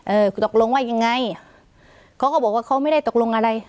กูตกลงว่ายังไงเขาก็บอกว่าเขาไม่ได้ตกลงอะไร